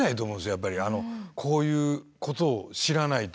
やっぱりこういうことを知らないと。